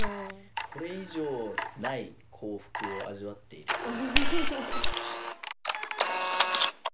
これ以上ない幸福を味わっている感じ。